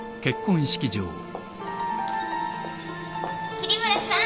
桐村さん！